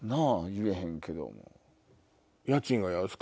言えへんけど。